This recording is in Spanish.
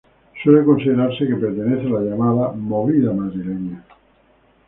Suele considerarse que pertenece a la llamada movida madrileña.